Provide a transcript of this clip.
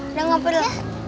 udah gak perlu